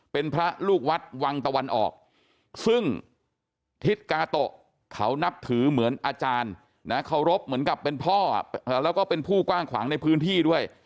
เป็นพระลูกวัดวังตะวันออกซึ่งทิศกาโตะเขานับถือเหมือนอาจารย์นะเคารพเหมือนกับเป็นพ่อแล้วก็เป็นผู้กว้างขวางในพื้นที่ด้วย